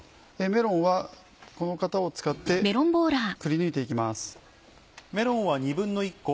メロンはこの型を使ってくりぬいて行きます。